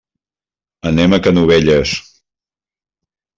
Anem a Canovelles.